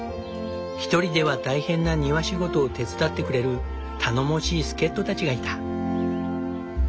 一人では大変な庭仕事を手伝ってくれる頼もしい助っ人たちがいた。